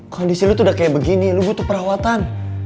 kondisi lu tuh udah kayak begini lu butuh perawatan